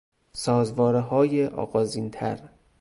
سازوارههای آغازین تر